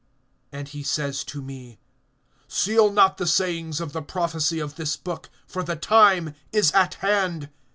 (10)And he says to me: Seal not the sayings of the prophecy of this book; for the time is at hand.